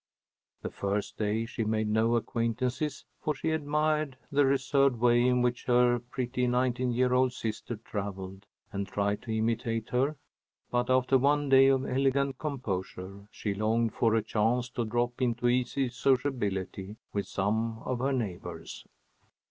The first day she made no acquaintances, for she admired the reserved way in which her pretty nineteen year old sister travelled, and tried to imitate her, but after one day of elegant composure she longed for a chance to drop into easy sociability with some of her neighbors.